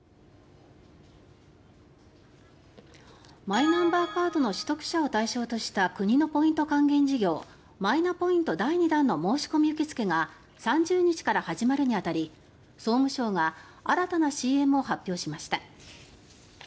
マイナンバーカードの取得者を対象とした国のポイント還元事業マイナポイント第２弾の申し込み受け付けが３０日から始まるに当たり総務省が新たなＣＭを発表しました。